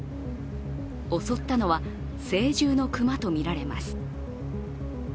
襲ったのは成獣の熊とみられます。